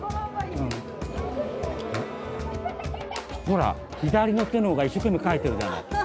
ほら左の手の方が一生懸命描いてるじゃない？